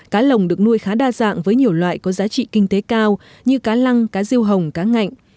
cá lồng được nuôi khá đa dạng với nhiều loại có giá trị kinh tế cao như cá lăng cá riêu hồng cá ngạnh